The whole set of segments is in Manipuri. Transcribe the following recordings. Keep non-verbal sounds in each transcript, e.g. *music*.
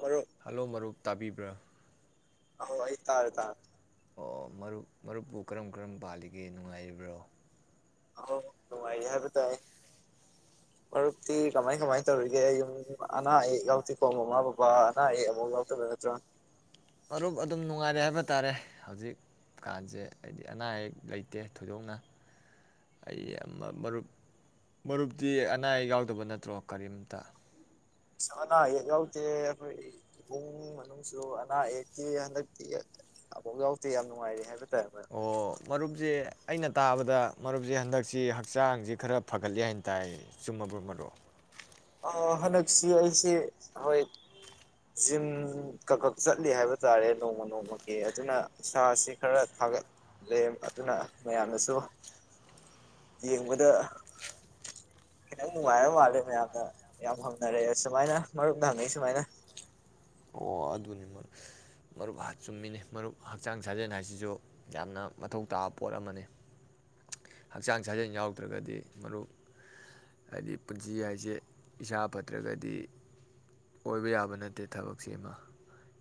ꯃꯔꯨꯞ ꯍꯜꯂꯣ ꯃꯔꯨꯞ ꯇꯥꯕꯤꯕ꯭ꯔꯥ ꯑ ꯑꯩ ꯇ ꯇꯥ *unintelligible* ꯑꯣ ꯃꯔꯨꯞ ꯃꯔꯨꯞꯄꯨ ꯀꯔꯝ ꯀꯔꯝ ꯄꯥꯜꯂꯤꯒꯦ ꯅꯨꯡꯉꯥꯏꯔꯤꯕ꯭ꯔꯣ *unintelligible* ꯅꯨꯡꯉꯥꯏꯔꯤ ꯍꯥꯏꯕ ꯇꯥꯏ ꯃꯔꯨꯞꯇꯤ ꯀꯃꯥꯏ ꯀꯃꯥꯏꯅ ꯇꯧꯔꯤꯒꯦ ꯌꯨꯝ ꯑꯅꯥ ꯑꯌꯦꯛ ꯌꯥꯎꯇꯦꯀꯣ ꯃꯃꯥ ꯕꯕꯥ ꯑꯅꯥ ꯑꯌꯦꯛ ꯑꯃꯐꯥꯎ ꯌꯥꯎꯗꯕ ꯅꯠꯇ꯭ꯔꯣ ꯃꯔꯨꯞ ꯑꯗꯨꯝ ꯅꯨꯡꯉꯥꯏꯔꯦ ꯍꯥꯏꯕ ꯇꯥꯔꯦ ꯍꯧꯖꯤꯛ ꯀꯥꯟꯁꯦ ꯍꯥꯏꯗꯤ ꯑꯅꯥ ꯑꯌꯦꯛ ꯂꯩꯇꯦ ꯊꯣꯏꯗꯣꯛꯅ ꯑꯩ ꯃꯔꯨꯞ ꯃꯔꯨꯞꯇꯤ ꯑꯅꯥ ꯑꯌꯦꯛ ꯌꯥꯎꯗꯕ ꯅꯠꯇ꯭ꯔꯣ ꯀꯔꯤꯝꯇ ꯑꯅꯥ ꯑꯌꯦꯛ ꯌꯥꯎꯗꯦ ꯑꯩꯈꯣꯏ ꯏꯃꯨꯡ ꯃꯅꯨꯡꯁꯨ ꯑꯅꯥ ꯑꯌꯦꯛꯇꯤ ꯍꯟꯗꯛꯇꯤ ꯑꯐꯥꯎ ꯌꯥꯎꯗꯦ ꯌꯥꯝ ꯅꯨꯡꯉꯥꯏꯔꯦ ꯍꯥꯏꯕ ꯇꯥꯔꯦ ꯃꯔꯨꯞ ꯑꯣ ꯃꯔꯨꯞꯁꯦ ꯑꯩꯅ ꯇꯥꯕꯗ ꯃꯔꯨꯞꯁꯦ ꯍꯟꯗꯛꯁꯤ ꯍꯛꯆꯥꯡꯁꯤ ꯈꯔ ꯐꯒꯠꯂꯤ ꯍꯥꯏꯅ ꯇꯥꯏ ꯆꯨꯝꯃꯕꯣ ꯃꯔꯨꯞ ꯑꯣ ꯍꯟꯗꯛꯁꯤ ꯑꯩꯁꯤ ꯍꯣꯏ ꯖꯤꯝ ꯀꯛ ꯈꯛ ꯆꯠꯂꯤ ꯍꯥꯏꯕ ꯇꯥꯔꯦ ꯅꯣꯡꯃ ꯅꯣꯡꯃꯒꯤ ꯑꯗꯨꯅ ꯏꯁꯥꯁꯤ ꯈꯔ ꯊꯥꯒꯠꯂꯦ ꯑꯗꯨꯅ ꯃꯌꯥꯝꯅꯁꯨ ꯌꯦꯡꯕꯗ ꯈꯤꯇꯪ ꯅꯨꯡꯉꯥꯏꯔ ꯃꯥꯜꯂꯦ ꯃꯌꯥꯝꯅ ꯌꯥꯝ ꯍꯝꯅꯔꯛꯑꯦ ꯁꯨꯃꯥꯏꯅ ꯃꯔꯨꯞꯅ ꯍꯉꯛ ꯏ ꯁꯨꯃꯥꯏꯅ ꯑꯣ ꯑꯗꯨꯅꯤ ꯃꯔꯨꯞ ꯆꯨꯝꯃꯤꯅꯤ ꯃꯔꯨꯞ ꯍꯛꯆꯥꯡ ꯁꯥꯖꯦꯜ ꯍꯥꯏꯁꯤꯁꯨ ꯌꯥꯝꯅ ꯃꯊꯧ ꯇꯥꯕ ꯄꯣꯠ ꯑꯃꯅꯤ ꯍꯛꯆꯥꯡ ꯁꯥꯖꯦꯜ ꯌꯥꯎꯗ꯭ꯔꯒꯗꯤ ꯃꯔꯨꯞ ꯍꯥꯏꯗꯤ ꯄꯨꯟꯁꯤ ꯍꯥꯏꯁꯦ ꯏꯁꯥ ꯐꯠꯇ꯭ꯔꯒꯗꯤ ꯑꯣꯏꯕ ꯌꯥꯕ ꯅꯠꯇꯦ ꯊꯕꯛꯁꯤꯃ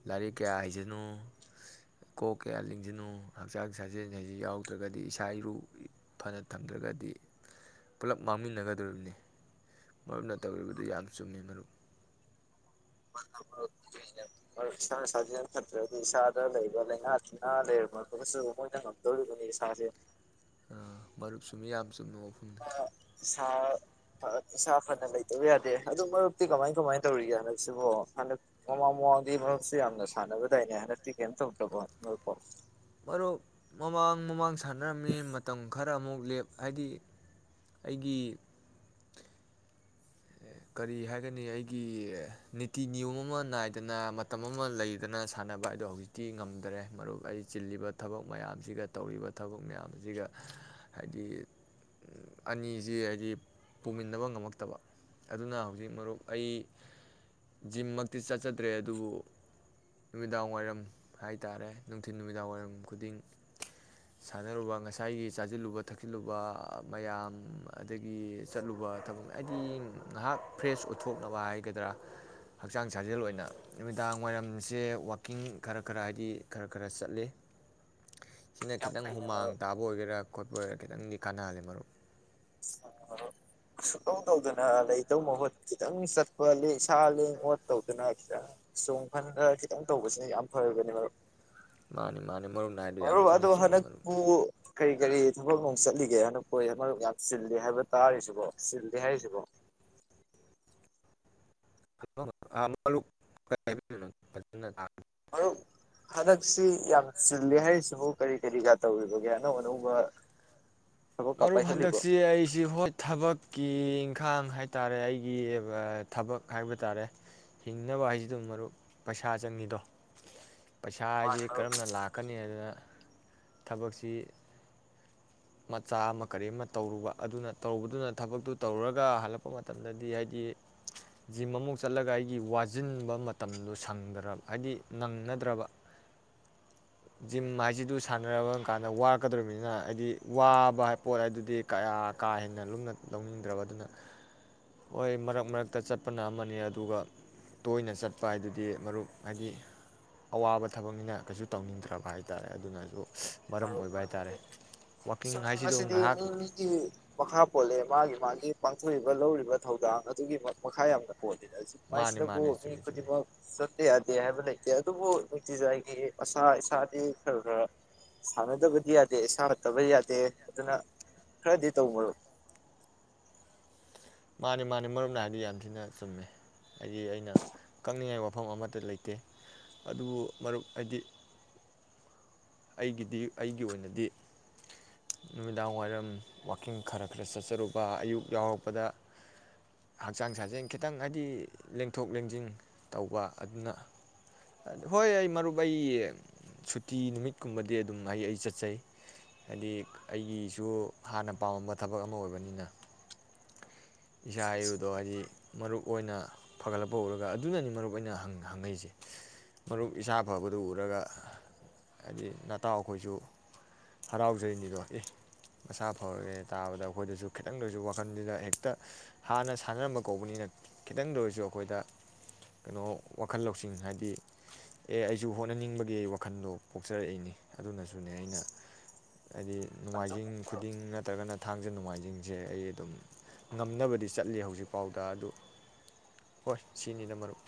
ꯂꯥꯏꯔꯤꯛ ꯀꯌꯥ ꯍꯩꯖꯅꯨ ꯀꯣꯛ ꯀꯌꯥ ꯂꯤꯡꯁꯅꯨ ꯍꯛꯆꯥꯡ ꯁꯥꯖꯦꯜ ꯍꯥꯏꯁꯤ ꯌꯥꯎꯗ꯭ꯔꯒꯗꯤ ꯏꯁꯥ ꯏꯔꯨ ꯐꯅ ꯊꯝꯗ꯭ꯔꯒꯗꯤ ꯄꯨꯂꯞ ꯃꯥꯡꯃꯤꯟꯅꯒꯗꯣꯔꯤꯕꯅꯤ ꯃꯔꯨꯞꯅ ꯇꯧꯔꯤꯕꯗꯨ ꯌꯥꯝ ꯆꯨꯝꯃꯤ ꯃꯔꯨꯞ ꯃꯔꯨꯞ ꯏꯁꯥꯅ ꯁꯥꯖꯅ ꯐꯠꯇ꯭ꯔꯗꯤ ꯏꯁꯥꯗ ꯂꯩꯕ ꯂꯥꯏꯅꯥ ꯇꯤꯟꯅꯥ ꯂꯩꯔꯝꯕꯗꯨꯁꯨ ꯃꯣꯏꯅ ꯉꯝꯗꯧꯔꯤꯕꯅꯤ ꯏꯁꯥꯁꯦ ꯃꯔꯨꯞ ꯆꯨꯝꯃꯤ ꯌꯥꯝ ꯆꯨꯝꯅ ꯋꯥꯐꯝꯅꯤ ꯁꯥ *unintelligible* ꯏꯁꯥ ꯐꯅ ꯂꯩꯇꯕ ꯌꯥꯗꯦ ꯑꯗꯨ ꯃꯔꯨꯞꯇꯤ ꯀꯃꯥꯏ ꯀꯃꯥꯏꯅ ꯇꯧꯔꯤꯒꯦ ꯍꯟꯗꯛꯁꯤꯕꯣ ꯍꯟꯗꯛ ꯃꯃꯥꯡ ꯃꯃꯥꯡꯗꯤ ꯃꯔꯨꯞꯁꯤ ꯌꯥꯝꯅ ꯁꯥꯟꯅꯕꯗꯥꯏꯅꯦ ꯍꯟꯗꯛꯇꯤ ꯀꯩꯝ ꯇꯧꯗ꯭ꯔꯕꯣ ꯃꯔꯨꯞꯄꯣ ꯃꯔꯨꯞ ꯃꯃꯥꯡ ꯃꯃꯥꯡ ꯁꯥꯟꯅꯔꯝꯃꯤ ꯃꯇꯝ ꯈꯔ ꯈꯔ ꯑꯃꯨꯛ ꯂꯦꯞ ꯍꯥꯏꯗꯤ ꯑꯩꯒꯤ ꯀꯔꯤ ꯍꯥꯏꯒꯅꯤ ꯑꯩꯒꯤ ꯅꯤꯇꯤ ꯅꯤꯌꯣꯝ ꯑꯃ ꯅꯥꯏꯗꯅ ꯃꯇꯝ ꯑꯃ ꯂꯩꯗꯅ ꯁꯥꯟꯅꯕ ꯍꯥꯏꯗꯣ ꯍꯧꯖꯤꯛꯇꯤ ꯉꯝꯗꯔꯦ ꯃꯔꯨꯞ ꯑꯩ ꯆꯤꯜꯂꯤꯕ ꯊꯕꯛ ꯃꯌꯥꯝꯁꯤꯒ ꯇꯧꯔꯤꯕ ꯊꯕꯛ ꯃꯌꯥꯝꯁꯤꯒ ꯍꯥꯏꯗꯤ ꯑꯅꯤꯁꯤ ꯍꯥꯏꯗꯤ ꯄꯨꯃꯤꯟꯅꯕ ꯉꯝꯃꯛꯇꯕ ꯑꯗꯨꯅ ꯍꯧꯖꯤꯛ ꯃꯔꯨꯞ ꯑꯩ ꯖꯤꯝꯃꯛꯇꯤ ꯆꯠꯆꯗ꯭ꯔꯦ ꯑꯗꯨꯕꯨ ꯅꯨꯃꯤꯗꯥꯡ ꯋꯥꯏꯔꯝ ꯍꯥꯏꯇꯥꯔꯦ ꯅꯨꯡꯊꯤꯟ ꯅꯨꯃꯤꯗꯥꯡ ꯋꯥꯏꯔꯝ ꯈꯨꯗꯤꯡ ꯁꯥꯟꯅꯔꯨꯕ ꯉꯁꯥꯏꯒꯤ ꯆꯥꯁꯤꯜꯂꯨꯕ ꯊꯛꯆꯤꯜꯂꯨꯕ ꯃꯌꯥꯝ ꯑꯗꯒꯤ ꯆꯠꯂꯨꯕ ꯊꯕꯛ ꯍꯥꯏꯗꯤ ꯉꯍꯥꯛ ꯐ꯭ꯔꯦꯁ ꯎꯠꯊꯣꯛꯅꯕ ꯍꯥꯏꯒꯗ꯭ꯔꯥ ꯍꯛꯆꯥꯡ ꯁꯥꯖꯦꯜ ꯑꯣꯏꯅ ꯅꯨꯃꯤꯗꯥꯡ ꯋꯥꯏꯔꯝꯁꯦ ꯋꯥꯛꯀꯤꯡ ꯈꯔ ꯈꯔ ꯍꯥꯏꯗꯤ ꯈꯔ ꯈꯔ ꯆꯠꯂꯤ ꯁꯤꯅ ꯌꯥꯝ ꯈꯤꯇꯪ ꯐꯩꯅꯦ ꯍꯨꯃꯥꯡ ꯃꯔꯨꯞ ꯇꯥꯕ ꯑꯣꯏꯒꯦꯔꯥ ꯈꯣꯠꯄ ꯑꯣꯏꯒꯦꯔꯥ ꯈꯤꯇꯪꯗꯤ ꯀꯅꯥꯍꯜꯂꯦ ꯃꯔꯨꯞ ꯁꯨꯇꯧ ꯇꯧꯗꯅ ꯂꯩꯇꯧ ꯃꯍꯨꯠ ꯈꯤꯇꯪ ꯆꯠꯄ ꯁꯥ ꯂꯦꯡ ꯑꯣꯠ ꯇꯧꯗꯅ ꯈꯤꯇꯪ ꯆꯣꯡ ꯍꯟꯗ ꯈꯤꯇꯪ ꯇꯧꯕꯁꯤꯅ ꯌꯥꯝ ꯐꯔꯕꯅꯤ ꯃꯔꯨꯞ ꯃꯥꯅꯤ ꯃꯥꯅꯤ ꯃꯔꯨꯞꯅꯥꯏꯗꯨ ꯌꯥꯝ ꯃꯔꯨꯞ ꯊꯤꯅ ꯑꯗꯣ ꯆꯨꯝꯃꯤ ꯃꯔꯨꯞ ꯍꯟꯗꯛꯄꯨ ꯀꯔꯤ ꯀꯔꯤ ꯊꯕꯛꯅꯨꯡ ꯆꯠꯂꯤꯒꯦ ꯍꯟꯗꯛ ꯃꯔꯛ ꯌꯥꯝ ꯆꯤꯜꯂꯦ ꯍꯥꯏꯕ ꯇꯥꯔꯤꯁꯤꯕꯣ ꯆꯤꯜꯂꯦ ꯍꯥꯏꯔꯤꯁꯤꯕꯣ *unintelligible* ꯃꯔꯨꯞ ꯍꯟꯗꯛꯁꯤ ꯌꯥꯝ ꯆꯤꯂꯦ ꯍꯥꯏꯔꯤꯁꯤꯕꯨ ꯀꯔꯤ ꯀꯔꯤꯒ ꯇꯧꯔꯤꯕꯒꯦ ꯑꯅꯧ ꯑꯅꯧꯕꯥ ꯃꯔꯨꯞ ꯍꯟꯗꯛꯁꯤ ꯑꯩꯁꯤ ꯍꯣ ꯊꯕꯛ ꯀꯤ ꯏꯪꯈꯥꯡ ꯍꯥꯏ ꯇꯥꯔꯦ ꯑꯩꯒꯤ ꯊꯕꯛ ꯍꯥꯏꯕ ꯇꯥꯔꯦ ꯍꯤꯡꯅꯕ ꯍꯥꯏꯁꯤꯗꯨꯝ ꯃꯔꯨꯞ ꯄꯩꯁꯥ ꯆꯪꯉꯤꯗꯣ ꯄꯩꯁꯥ ꯍꯥꯏꯁꯤ ꯃꯥꯅꯤ ꯃꯔꯨꯞ ꯀꯔꯝꯅ ꯂꯥꯛꯀꯅꯤ ꯍꯥꯏꯗꯅ ꯊꯕꯛꯁꯤ ꯃꯆꯥ ꯑꯃ ꯀꯔꯤ ꯑꯃ ꯇꯧꯔꯨꯕ ꯑꯗꯨꯅ ꯇꯔꯨꯕꯗꯨꯅ ꯊꯕꯛꯇꯨ ꯇꯧꯔꯨꯔꯒ ꯍꯜꯂꯛꯄ ꯃꯇꯝꯗꯗꯤ ꯍꯥꯏꯗꯤ ꯖꯤꯝ ꯑꯃꯨꯛ ꯆꯠꯂꯒ ꯑꯩꯒꯤ ꯋꯥꯖꯤꯟꯕ ꯃꯇꯝꯗꯣ ꯁꯪꯗ꯭ꯔꯕ ꯍꯥꯏꯗꯤ ꯅꯪꯅꯗ꯭ꯔꯕ ꯖꯤꯝ ꯍꯥꯏꯁꯤꯗꯨ ꯁꯥꯟꯅꯔꯕ ꯀꯥꯟꯗ ꯋꯥꯔꯛꯀꯗꯧꯔꯤꯕꯅꯤꯅ ꯍꯥꯏꯗꯤ ꯋꯥꯕ ꯍꯥꯏ ꯄꯣꯠ ꯍꯥꯏꯗꯨꯗꯤ ꯀꯌꯥ ꯀꯥ ꯍꯦꯟꯅ ꯂꯨꯝꯅ ꯂꯧꯅꯤꯡꯗ꯭ꯔꯕ ꯑꯗꯨꯅ ꯍꯣꯏ ꯃꯔꯛ ꯃꯔꯛꯇ ꯆꯠꯄꯅ ꯑꯃꯅꯤ ꯑꯗꯨꯒ ꯇꯣꯏꯅ ꯆꯠꯄ ꯍꯥꯏꯗꯨꯗꯤ ꯃꯔꯨꯞ ꯍꯥꯏꯗꯤ ꯑꯋꯥꯕ ꯊꯕꯛꯅꯤꯅ ꯀꯩꯁꯨ ꯇꯧꯅꯤꯡꯗ꯭ꯔꯕ ꯍꯥꯏꯇꯥꯔꯦ ꯑꯗꯨꯅꯁꯨ ꯃꯔꯝ ꯑꯣꯏꯕ ꯍꯥꯏꯇꯥꯔꯦ ꯁ ꯋꯥꯛꯀꯤꯡ ꯍꯥꯏꯁꯤꯗ ꯃꯁꯤꯗꯤ ꯉꯥꯏꯍꯥꯛ ꯃꯤ ꯃꯤꯒꯤ ꯃꯈꯥ ꯄꯣꯜꯂꯦ ꯃꯥꯒꯤ ꯃꯥꯒꯤ ꯄꯥꯡꯊꯣꯛꯏꯕ ꯂꯧꯔꯤꯕ ꯊꯧꯗꯥꯡ ꯑꯗꯨꯒꯤ ꯃꯈꯥ ꯌꯥꯝꯅ ꯐꯣꯗꯤ *unintelligible* ꯃꯥꯅꯤ ꯍꯥꯏꯁꯤꯗꯕꯨ ꯃꯥꯅꯤ ꯃꯤ ꯆꯨꯝꯃꯤ ꯆꯨꯝꯃꯤ ꯈꯨꯗꯤꯡꯃꯛ ꯆ ꯌꯥꯗꯦ ꯍꯥꯏꯕ ꯂꯩꯇꯦ ꯑꯗꯨꯕꯨ ꯅꯨꯡꯇꯤꯖꯥꯒꯤ ꯏꯁꯥ ꯏꯁꯥꯗꯤ ꯈꯔ ꯈꯔ ꯁꯥꯟꯅꯗꯕꯗꯤ ꯌꯥꯗꯦ ꯁꯥꯟꯔꯛꯇꯕꯗꯤ ꯌꯥꯗꯦ ꯑꯗꯨꯅ ꯈꯔꯗꯤ ꯇꯧꯕꯗꯣ ꯃꯥꯅꯤ ꯃꯥꯅꯤ ꯃꯔꯨꯞꯅ ꯍꯥꯏꯕꯗꯤ ꯌꯥꯝ ꯊꯤꯅ ꯆꯨꯝꯃꯦ ꯍꯥꯏꯗꯤ ꯑꯩꯅ ꯀꯛꯅꯤꯡꯉꯥꯏ ꯋꯥꯐꯝ ꯑꯃꯠꯇ ꯂꯩꯇꯦ ꯑꯗꯨꯕꯨ ꯃꯔꯨꯞ ꯑꯩꯗꯤ ꯑꯩꯒꯤꯗꯤ ꯑꯩꯒꯤ ꯑꯣꯏꯅꯗꯤ ꯅꯨꯃꯤꯗꯥꯡ ꯋꯥꯏꯔꯝ ꯋꯥꯛꯀꯤꯡ ꯈꯔ ꯈꯔ ꯆꯠꯆꯔꯨꯕ ꯑꯌꯨꯛ ꯌꯥꯎꯔꯛꯄꯗ ꯍꯛꯆꯥꯡ ꯁꯥꯖꯦꯟ ꯈꯤꯇꯪ ꯍꯥꯏꯗꯤ ꯂꯦꯡꯊꯣꯛ ꯂꯦꯡꯁꯤꯟ ꯇꯧꯕ ꯑꯗꯨꯅ ꯍꯣꯏ ꯑꯩ ꯃꯔꯨꯞ ꯑꯩ ꯁꯨꯇꯤ ꯅꯨꯃꯤꯠ ꯀꯨꯝꯕꯗꯤ ꯑꯗꯨꯝ ꯑꯩ ꯑꯩ ꯆꯠꯆꯩ ꯍꯥꯏꯗꯤ ꯑꯩꯒꯤꯁꯨ ꯍꯥꯟꯅ ꯄꯥꯝꯃꯝꯕ ꯊꯕꯛ ꯑꯃ ꯑꯣꯏꯕꯅꯤꯅ ꯏꯁꯥ ꯏꯔꯨꯗꯣ ꯍꯥꯏꯗꯤ ꯃꯔꯨꯞ ꯑꯣꯏꯅ ꯐꯒꯠꯂꯛꯄ ꯎꯔꯒ ꯑꯗꯨꯅꯅꯤ ꯃꯔꯨꯞ ꯑꯣꯏꯅ ꯍꯪꯉꯛꯏꯁꯦ ꯃꯔꯨꯞ ꯏꯁꯥ ꯐꯕꯗꯨ ꯎꯔꯒ ꯍꯥꯏꯗꯤ ꯅꯇꯥꯎ ꯑꯩꯈꯣꯏꯁꯨ ꯍꯔꯥꯎꯖꯔꯤꯅꯤꯗꯣ ꯑꯦ ꯃꯁꯥ ꯐꯔꯒꯦ ꯇꯥꯕꯗ ꯑꯩꯈꯣꯏꯗꯁꯨ ꯈꯤꯇꯪꯗꯁꯨ ꯋꯥꯈꯜꯗꯨꯗ ꯍꯦꯛꯇ ꯍꯥꯟꯅ ꯁꯥꯟꯅꯔꯝꯕ ꯀꯧꯕꯅꯤꯅ ꯈꯤꯇꯪꯗ ꯑꯣꯏꯔꯁꯨ ꯑꯩꯈꯣꯏꯗ ꯀꯩꯅꯣ ꯋꯥꯈꯜ ꯂꯧꯁꯤꯡ ꯍꯥꯏꯗꯤ ꯑꯦ ꯑꯩꯁꯨ ꯍꯣꯠꯅꯅꯤꯡꯕꯒꯤ ꯋꯥꯈꯜꯗꯣ ꯄꯣꯛꯆꯔꯛꯏꯅꯤ ꯑꯗꯨꯅꯁꯨꯅꯦ ꯑꯩꯅ ꯍꯥꯏꯗꯤ ꯅꯣꯡꯃꯥꯏꯖꯤꯡ ꯈꯨꯗꯤꯡ ꯅꯠꯇ꯭ꯔꯒꯅ ꯊꯥꯡꯖ ꯅꯣꯡꯃꯥꯏꯖꯤꯡꯁꯦ ꯑꯩ ꯑꯗꯨꯝ ꯉꯝꯅꯕꯗꯤ ꯆꯠꯂꯤ ꯍꯧꯖꯤꯛꯐꯥꯎꯗ ꯑꯗꯨ ꯍꯣꯏ ꯁꯤꯅꯤꯗ ꯃꯔꯨꯞ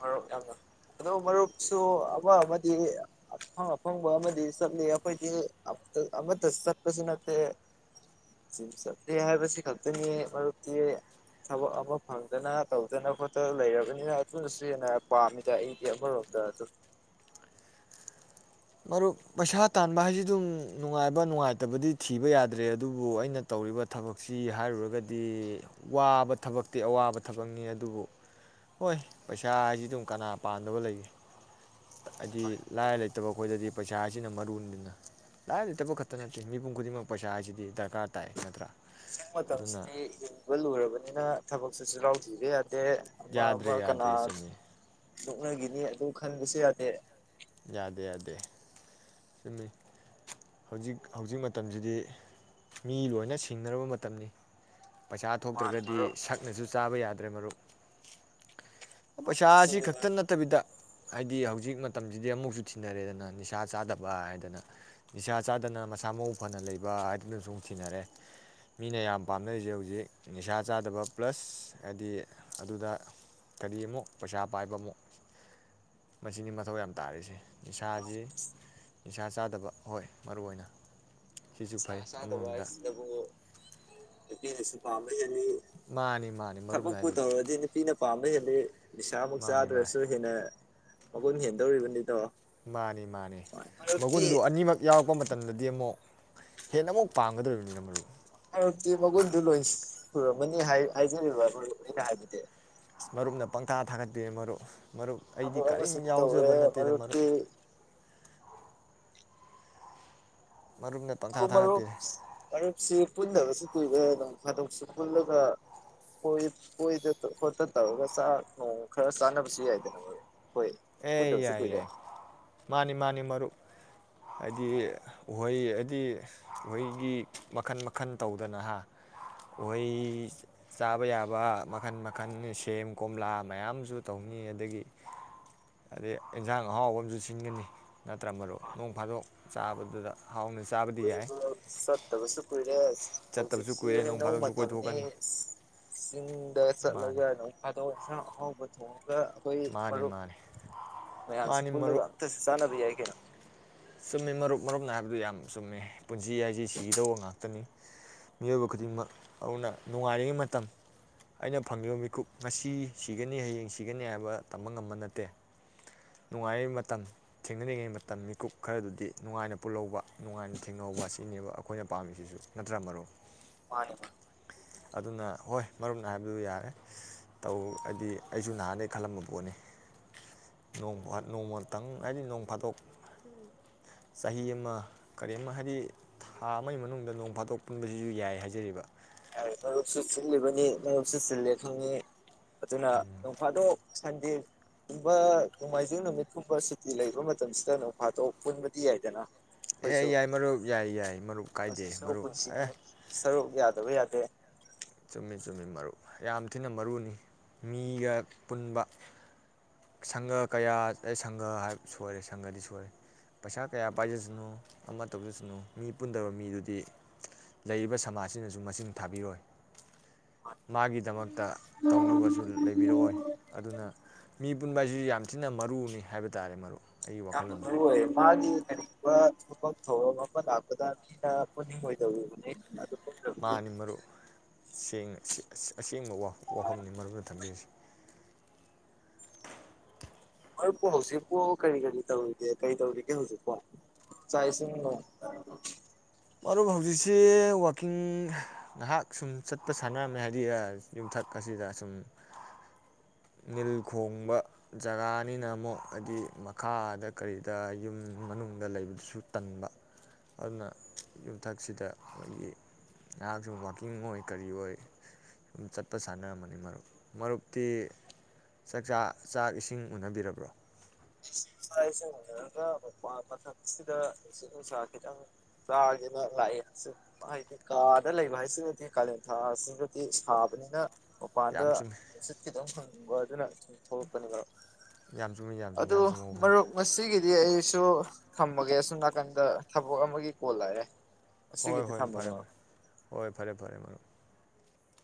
ꯃꯔꯨꯞ ꯌꯥꯝꯅ ꯑꯗꯣ ꯃꯔꯨꯞꯁꯨ ꯑꯃ ꯑꯃꯗꯤ ꯑꯐꯪ ꯑꯐꯪꯕ ꯑꯃꯗꯤ ꯆꯠꯂꯤ ꯑꯩꯈꯣꯏꯗꯤ ꯑꯃꯠꯇ ꯆꯠꯄꯁꯨ ꯅꯠꯇꯦ ꯆꯠ ꯆꯠꯇꯦ ꯍꯥꯏꯕꯁꯤ ꯈꯛꯇꯅꯤ ꯃꯔꯨꯞꯇꯤ ꯊꯕꯛ ꯑꯃ ꯐꯪꯗꯅ ꯇꯧꯗꯅ ꯈꯣꯠꯇꯅ ꯂꯩꯔꯕꯅꯤꯅ ꯑꯗꯨꯅꯁꯨ ꯍꯦꯟꯅ ꯄꯥꯝꯃꯤꯗ ꯑꯩꯗꯤ ꯑꯩꯃꯔꯣꯝꯗ ꯑꯗꯨ ꯃꯔꯨꯞ ꯄꯩꯁꯥ ꯇꯥꯟꯕ ꯍꯥꯏꯁꯤ ꯑꯗꯨꯝ ꯅꯨꯡꯉꯥꯏꯕ ꯅꯨꯡꯉꯥꯏꯇꯕꯗꯤ ꯊꯤꯕ ꯌꯥꯗ꯭ꯔꯦ ꯑꯗꯨꯕꯨ ꯑꯩꯅ ꯇꯧꯔꯤꯕ ꯊꯕꯛꯁꯤ ꯍꯥꯏꯔꯨꯔꯒꯗꯤ ꯋꯥꯕ ꯊꯕꯛꯇꯤ ꯑꯋꯥꯕ ꯊꯕꯛꯅꯤ ꯑꯗꯨꯕꯨ ꯍꯣꯏ ꯄꯩꯁꯥ ꯍꯥꯏꯁꯤ ꯑꯗꯨꯝ ꯀꯅꯥ ꯄꯥꯝꯗꯕ ꯂꯩꯒꯦ ꯍꯥꯏꯗꯤ ꯂꯥꯏꯔ ꯂꯩ ꯇꯕ ꯑꯩꯈꯣꯏꯗꯗꯤ ꯄꯩꯁꯥ ꯍꯥꯏꯁꯤꯅ ꯃꯔꯨꯅꯤꯗꯅ ꯂꯥꯏꯔ ꯂꯩꯇꯕ ꯈꯛꯇ ꯅꯠꯇꯦ ꯃꯤꯄꯨꯝ ꯈꯨꯗꯤꯡꯃꯛ ꯄꯩꯁꯥ ꯍꯥꯏꯁꯤꯗꯤ ꯗꯔꯀꯥꯔ ꯇꯥꯏ ꯅꯠꯇ꯭ꯔꯥ ꯍꯧꯖꯤꯛ ꯑꯗꯨꯅ ꯃꯇꯝꯁꯤꯗꯤ ꯍꯤꯡꯕ ꯂꯨꯔꯕꯅꯤꯅ ꯊꯕꯛ ꯆꯤꯜꯍꯥꯎ ꯊꯤꯕ ꯌꯥꯗ꯭ꯔꯦ ꯑꯦ ꯑꯃ ꯑꯃ ꯌꯥꯗ꯭ꯔꯦ ꯀꯅꯥ ꯌꯥꯗ꯭ꯔꯦ ꯆꯨꯝꯃꯤ ꯅꯣꯛꯅꯈꯤꯅꯤ ꯑꯗꯨ ꯈꯟꯕꯁꯨ ꯌꯥꯗꯦ ꯌꯥꯗꯦ ꯌꯥꯗꯦ ꯆꯨꯝꯃꯤ ꯍꯧꯖꯤꯛ ꯍꯧꯖꯤꯛ ꯃꯇꯝꯁꯤꯗꯤ ꯃꯤ ꯂꯣꯏꯅ ꯁꯤꯡꯅꯔꯕ ꯃꯇꯝꯅꯤ ꯄꯩꯁꯥ ꯃꯥꯅꯤ ꯊꯣꯛꯇ꯭ꯔꯒꯗꯤ ꯃꯔꯨꯞ ꯁꯛꯅꯁꯨ ꯆꯥꯕ ꯌꯥꯗ ꯇꯔꯦ ꯃꯔꯨꯞ ꯄꯩꯁꯥ ꯑꯁꯤ ꯑꯁꯤꯅꯦꯕ ꯈꯛꯇ ꯅꯠꯇꯕꯤꯗ ꯍꯥꯏꯗꯤ ꯍꯧꯖꯤꯛ ꯃꯇꯝꯁꯤꯗꯤ ꯑꯃꯨꯛꯁꯨ ꯊꯤꯅꯔꯦꯗꯅ ꯅꯤꯁꯥ ꯆꯥꯗꯕ ꯍꯥꯏꯗꯅ ꯅꯤꯁꯥ ꯆꯥꯗꯅ ꯃꯁꯥ ꯃꯎ ꯐꯅ ꯂꯩꯕ ꯍꯥꯏꯗꯨꯅꯁꯨ ꯑꯃꯨꯛ ꯊꯤꯅꯔꯦ ꯃꯤꯅ ꯌꯥꯝ ꯄꯥꯝꯅꯔꯤꯁꯦ ꯍꯧꯖꯤꯛ ꯅꯤꯁꯥ ꯆꯥꯗꯕ ꯄ꯭ꯂꯁ ꯍꯥꯏꯗꯤ ꯑꯗꯨꯗ ꯀꯔꯤ ꯑꯃꯨꯛ ꯄꯩꯁꯥ ꯄꯥꯏꯕ ꯑꯃꯨꯛ ꯃꯁꯤꯅꯤ ꯃꯊꯧ ꯌꯥꯝ ꯇꯥꯔꯤꯁꯦ ꯅꯤꯥꯁꯥꯖꯤ ꯅꯤꯁꯥ ꯆꯥ ꯐꯠꯇꯕ ꯍꯣꯏ ꯃꯔꯨ ꯑꯣꯏꯅ ꯅꯤꯁꯥ ꯆꯥꯗꯕ ꯍꯥꯏꯁꯤꯗꯕꯨ ꯅꯨꯄꯤꯅꯁꯨ ꯄꯥꯝꯕ ꯍꯦꯜꯂꯤ ꯃꯥꯅꯤ ꯃꯥꯅꯤ ꯃꯔꯨꯞ ꯅꯥꯏꯗꯨꯗꯤ ꯁꯤꯅ ꯄꯥꯝꯕꯩ ꯍꯦꯜꯜꯂꯤꯦ ꯁꯃꯨꯛ ꯃꯥꯅꯤ ꯆꯥꯗꯋꯦꯁꯨꯨꯍꯤꯅꯦ ꯃꯈꯣꯏꯅ ꯍꯦꯟꯗꯧꯔꯤꯕꯅꯤꯗꯣ ꯃꯥꯅꯤ ꯃꯥꯅꯦ ꯃꯔꯨꯞꯇꯤ ꯃꯒꯨꯟꯗꯨ ꯑꯅꯤꯃꯛ ꯌꯥꯎꯔꯛꯄ ꯃꯇꯝꯗꯗꯤ ꯑꯃꯨꯛ ꯍꯦꯟꯅ ꯑꯃꯨꯛ ꯄꯥꯝꯒꯗꯧꯔꯤꯕꯅꯤꯅ ꯃꯔꯨ ꯍꯧꯖꯤꯛꯇꯤ ꯃꯒꯨꯟꯗꯨ ꯂꯣꯏ ꯁꯨꯔꯝꯃꯅꯤ ꯍꯥꯏꯖꯔꯤꯕꯅꯤꯅ ꯍꯥꯏꯕꯗꯤꯦ ꯃꯔꯨꯞꯅ ꯄꯪꯇꯥ ꯊꯥꯒꯠꯄꯤ ꯃꯔꯨꯞ ꯃꯔꯨꯞ ꯑꯩꯗꯤ ꯊꯕꯛ ꯀꯔꯤꯝ ꯑꯃꯁꯨ ꯌꯥꯎꯖꯕ ꯇꯧꯔꯦ ꯅꯠꯇꯦꯗ ꯃꯔꯨꯞ ꯃꯔꯨꯞꯇꯤ ꯃꯔꯨꯞꯅ ꯑꯗꯨ ꯄꯪꯊꯥ ꯃꯔꯔꯨꯞ ꯊꯥꯒꯠꯄꯤꯔꯦ ꯃꯔꯔꯨꯞ ꯁꯤ ꯄꯨꯟꯟꯅꯕꯁꯨ ꯀꯨꯏꯔꯦ ꯑꯗꯨꯝ ꯊꯥꯗꯣꯛꯁꯨ ꯄꯨꯜꯂꯒ ꯀꯣꯏ ꯈꯣꯠꯇ ꯇꯧꯔꯒ ꯆꯥꯛ ꯅꯣꯡ ꯈꯔ ꯆꯥꯅꯕꯁꯨ ꯌꯥꯏꯗꯅꯣ ꯑꯦ ꯌꯥꯏ ꯌꯥꯏ ꯃꯥꯅꯤ ꯃꯥꯅꯤ ꯃꯔꯨ ꯍꯥꯏꯗꯤ ꯎꯍꯩ ꯍꯥꯏꯗꯤ ꯎꯍꯩꯒꯤ ꯃꯈꯜ ꯃꯈꯜ ꯇꯧꯗꯅꯍ ꯎꯍꯩ ꯆꯥꯕ ꯌꯥꯕ ꯃꯈꯜ ꯃꯈꯜ ꯁꯦꯝ ꯀꯣꯝꯂꯥ ꯃꯌꯥꯝꯁꯨ ꯇꯧꯅꯤ ꯑꯗꯒꯤ ꯑꯗꯩ ꯏꯟꯖꯥꯡ ꯑꯍꯥꯎꯕ ꯑꯃꯁꯨ ꯁꯤꯟꯒꯅꯤ ꯅꯠꯇ꯭ꯔ ꯃꯔꯨꯞ ꯅꯣꯡ ꯐꯥꯗꯣꯛ ꯆꯥꯕꯗꯨꯗ ꯍꯥꯎꯅ ꯆꯥꯕꯗꯤ ꯍꯣꯏ ꯌꯥꯏ ꯁꯇꯒꯁꯨ ꯀꯏꯔꯦꯁꯤ ꯆꯠꯇꯕꯁꯨ ꯍꯧꯖꯤꯛꯁꯤ ꯀꯨꯏꯔꯦ ꯅꯣꯡ ꯍꯩꯅꯧ ꯐꯥꯗꯣꯛꯁꯨ ꯃꯇꯝꯅꯤ ꯀꯣꯏꯊꯣꯛꯀꯅꯤ ꯆꯤꯡꯗ ꯃꯥꯅꯤ ꯆꯠꯂꯒ ꯑꯃꯨꯛ ꯏꯟꯁꯤꯡ ꯑꯍꯥꯎꯕ *unintelligible* ꯑꯩꯈꯣꯏ ꯃꯥꯅꯤ ꯃꯔꯨꯞ ꯃꯥꯅꯤ ꯃꯌꯥꯝꯁꯤ ꯃꯥꯅꯤ ꯄꯨꯜꯂꯒ ꯃꯔꯨꯞ ꯑꯁꯇꯁꯨ ꯆꯥꯟꯅꯕ ꯌꯥꯏ ꯀꯦ ꯆꯨꯝꯃꯤ ꯃꯔꯨꯞ ꯃꯔꯨꯞꯅ ꯍꯥꯏꯕꯗꯨ ꯌꯥꯝ ꯆꯨꯝꯃꯦ ꯄꯨꯟꯁꯤ ꯍꯥꯏꯁꯤ ꯁꯤꯒꯗꯧꯕ ꯉꯥꯛꯇꯅꯤ ꯃꯤꯑꯣꯏꯕ ꯈꯨꯗꯤꯡꯃꯛ ꯑꯗꯨꯅ ꯅꯨꯡꯉꯥꯏꯔꯤꯉꯩ ꯃꯇꯝ ꯑꯩꯅ ꯐꯪꯉꯤꯕ ꯃꯤꯀꯨꯞ ꯉꯁꯤ ꯁꯤꯒꯅꯤ ꯍꯌꯦꯡ ꯁꯤꯒꯅꯤ ꯍꯥꯏꯕ ꯇꯝꯕ ꯉꯝꯕ ꯅꯠꯇꯦ ꯅꯨꯡꯉꯥꯏꯔꯤꯉꯩ ꯃꯇꯝ ꯊꯦꯡꯅꯔꯤꯉꯩ ꯃꯇꯝ ꯃꯤꯀꯨꯞ ꯈꯔꯗꯨꯗꯤ ꯅꯨꯡꯉꯥꯏꯅ ꯄꯨꯜꯍꯧꯕ ꯅꯨꯡꯉꯥꯏꯅ ꯊꯦꯡꯍꯧꯕ ꯁꯤꯅꯦꯕ ꯑꯩꯈꯣꯏꯅ ꯄꯥꯝꯃꯤꯁꯤꯁꯨ ꯅꯠꯇ꯭ꯔꯥ ꯃꯔꯣ ꯃꯥꯅꯦ ꯑꯗꯨꯅ ꯍꯣꯏ ꯃꯔꯨꯞꯅ ꯍꯥꯏꯕꯗꯨ ꯌꯥꯔꯦ ꯇꯧ ꯍꯥꯏꯗꯤ ꯑꯩꯁꯨ ꯅꯍꯥꯟꯗꯒꯤꯩ ꯈꯜꯂꯝꯕ ꯄꯣꯠꯅꯤ ꯅꯣꯡꯃꯇꯪ ꯍꯥꯏꯗꯤ ꯅꯣꯡ ꯐꯥꯗꯣꯛ ꯆꯍꯤ ꯑꯃ ꯀꯔꯤꯝ ꯍꯥꯏꯗꯤ ꯊꯥ ꯑꯃꯒꯤ ꯃꯅꯨꯡꯗ ꯅꯣꯡ ꯐꯥꯗꯣꯛ ꯄꯨꯟꯕꯁꯤꯁꯨ ꯌꯥꯏ ꯍꯥꯏꯖꯔꯤꯕ ꯅꯨꯞ ꯁꯨꯔ ꯁꯤꯜꯂꯤꯕꯅꯤ ꯅꯨꯞ ꯁ ꯁꯤꯜꯜꯂꯤꯦ ꯈꯪꯅꯤ ꯑꯗꯨꯅ ꯅꯣꯡꯐꯥꯗꯣꯛ ꯁꯟꯗꯦꯒꯨꯝꯕ ꯅꯣꯡꯃꯥꯏꯖꯤꯡ ꯅꯨꯃꯤꯠꯀꯨꯝꯕ ꯁꯨꯇꯤ ꯂꯩꯕ ꯃꯇꯝꯁꯤꯗ ꯅ ꯎꯐꯥꯇꯣꯛ ꯄꯨꯟꯕꯗꯤ ꯌꯥꯏꯗꯅ ꯑꯦ ꯑꯩꯈꯣꯏꯁꯨ ꯌꯥꯏ ꯃꯔꯨꯞ ꯌꯥꯏ ꯌꯥꯏ ꯃꯔꯨꯞ ꯀꯥꯏꯗꯦ ꯑꯁꯤꯁꯨ ꯃꯔꯨꯞ ꯑꯦ ꯄꯨꯟꯁꯤꯒꯤ ꯁꯔꯨꯛ *unintelligible* ꯆꯨꯝꯃꯤ ꯆꯨꯝꯃꯤ ꯃꯔꯨ ꯌꯥꯝ ꯊꯤꯅ ꯃꯔꯨꯅꯤ ꯃꯤꯒ ꯄꯨꯟꯕ ꯁꯪꯒ ꯀꯌꯥ ꯑꯩ ꯁꯪꯒ ꯍꯥꯏ ꯁꯣꯏꯔꯦ ꯁꯪꯒꯗꯤ ꯁꯣꯏꯔꯦ ꯄꯩꯁꯥ ꯀꯌꯥ ꯄꯥꯏꯖꯁꯅꯨ ꯑꯃ ꯇꯧꯖꯁꯅꯨ ꯃꯤ ꯄꯨꯟꯗꯕ ꯃꯤꯗꯨꯗꯤ ꯂꯩꯔꯤꯕ ꯁꯃꯥꯖꯁꯤꯅꯁꯨ ꯃꯁꯤꯡ ꯊꯥꯕꯤꯔꯣꯏ ꯃꯥꯒꯤꯗꯃꯛꯇ ꯇꯧꯅꯕꯁꯨ ꯂꯩꯕꯤꯔꯛꯑꯣꯏ ꯑꯗꯨꯅ ꯃꯤ ꯄꯨꯟꯕ ꯍꯥꯏꯁꯤꯁꯨ ꯌꯥꯝ ꯊꯤꯅ ꯃꯔꯨꯅꯤ ꯍꯥꯏꯕ ꯇꯥꯔꯦ ꯃꯔꯨ ꯌꯥꯝꯣꯏ ꯃꯥꯒꯤ ꯇꯔꯤ ꯐ ꯊ ꯂꯥꯛꯗꯄꯅꯤ ꯑꯣꯏꯗ ꯃꯥꯅꯤ ꯃꯔꯨ ꯑꯁꯦꯡꯕ ꯋꯥꯐꯝꯅꯤ ꯃꯔꯨꯞꯗ ꯊꯝꯕꯤꯔꯁꯤ ꯍꯣꯏ ꯄꯣ ꯍꯧꯖꯤꯛꯄꯣ ꯀꯔꯤ ꯀꯔꯤ ꯇꯧꯔꯤꯒꯦ ꯀꯔꯤ ꯇꯧꯔꯤꯒꯦ ꯍꯧꯖꯤꯛꯄꯣ ꯆꯥꯛ ꯏꯁꯤꯡꯅꯣ ꯑꯗꯨ ꯍꯧꯖꯤꯛꯁꯤ ꯋꯥꯛꯀꯤꯡ ꯉꯥꯏꯍꯥꯛ ꯁꯨꯝ ꯆꯠꯄ ꯁꯥꯟꯅꯔꯝꯃꯦ ꯍꯥꯏꯗꯤ ꯌꯨꯝꯊꯛ ꯑꯁꯤꯗ ꯁꯨꯝ ꯅꯤꯜ ꯈꯣꯡꯕ ꯖꯒꯥꯅꯤꯅ ꯑꯃꯨꯛ ꯍꯥꯏꯗꯤ ꯃꯈꯥꯗ ꯀꯔꯤꯗ ꯌꯨꯝ ꯃꯅꯨꯡꯗ ꯂꯩꯕꯗꯨꯁꯨ ꯇꯟꯕ ꯑꯗꯨꯅ ꯌꯨꯝꯊꯛꯁꯤꯗ ꯑꯩꯈꯣꯏꯒꯤ ꯅꯍꯥꯛꯁꯨ ꯋꯥꯛꯀꯤꯡ ꯑꯣꯏ ꯀꯔꯤ ꯑꯣꯏ ꯁꯨꯝ ꯆꯠꯄ ꯁꯥꯟꯅꯔꯝꯕꯅꯤ ꯃꯔꯨꯞ ꯃꯔꯨꯞꯇꯤ ꯆꯥꯛꯆꯥ ꯆꯥꯛ ꯏꯁꯤꯡ ꯎꯅꯕꯤꯔꯕ꯭ꯔꯣ ꯏꯁꯤꯡ ꯅꯨꯡꯁꯥꯁꯦ ꯎꯅꯔꯒ ꯃ ꯃꯇꯝꯁꯤꯗ ꯏꯁꯤꯡ ꯅꯨꯡꯁꯥ ꯈꯤꯇꯪ ꯆꯥꯒꯦꯅ ꯂꯥꯛꯑ ꯍꯥꯏꯩꯗꯤ ꯀꯥꯗ ꯂꯩꯕ ꯍꯥꯏꯁꯤꯗꯗꯤ ꯀꯥꯂꯦꯟꯊꯥ ꯑꯁꯤꯗꯗꯤ ꯁꯥꯕꯅꯤꯅ ꯑꯣ ꯌꯥꯝ ꯑꯗ ꯆꯨꯝꯃꯤ ꯨꯡꯣ ꯑꯗꯨꯅꯣꯄꯅꯤꯣ ꯌꯥ ꯑꯗꯨ ꯃꯔꯨꯞ ꯉꯁꯤꯒꯤꯗꯤ ꯑꯩꯁꯨ ꯊꯝꯃꯒꯦ ꯑꯁꯣꯝ ꯅꯥꯀꯟꯗ ꯊꯕꯛ ꯑꯃꯒꯤ ꯀꯣꯜꯂꯥꯛꯑꯦ ꯍꯣꯏ ꯍꯣꯏ ꯐꯔꯦ ꯐꯔꯦ ꯍꯣꯏ ꯐꯔꯦ ꯐꯔꯦ ꯃ